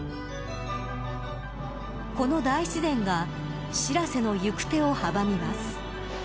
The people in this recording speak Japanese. この大自然がしらせの行く手を阻みます。